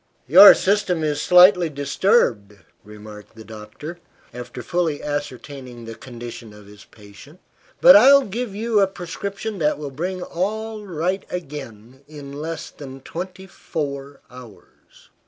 "Your system is slightly disturbed," remarked the doctor, after fully ascertaining the condition of his patient, "but I'll give you a prescription that will bring all right again in less than twenty four hours."